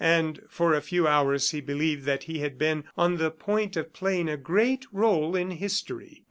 And for a few hours he believed that he had been on the point of playing a great role in history.